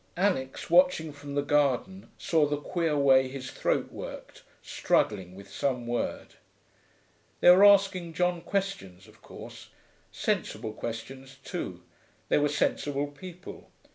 Alix, watching from the garden, saw the queer way his throat worked, struggling with some word. They were asking John questions, of course. Sensible questions, too; they were sensible people.